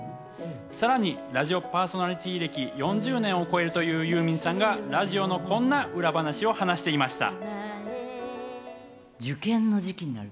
さらにラジオパーソナリティー歴４０年を超えるというユーミンさんがラジオのこんな裏話を話していました。